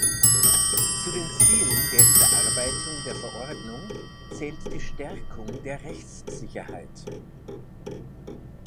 Zu den Zielen der Überarbeitung der Verordnung zählt die Stärkung der Rechtssicherheit.